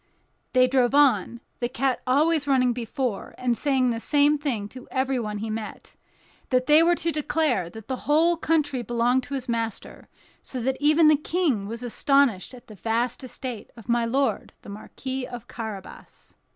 They drove on—the cat always running before and saying the same thing to everybody he met, that they were to declare that the whole country belonged to his master; so that even the King was astonished at the vast estate of my lord the Marquis of Carabas.